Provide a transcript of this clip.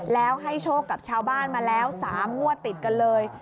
แล้วให้โชคกับชาวบ้านมาแล้ว๓งวดติดกันเลย